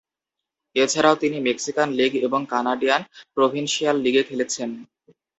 এছাড়াও তিনি Mexican league এবং কানাডিয়ান প্রভিন্সিয়াল লীগে খেলেছেন।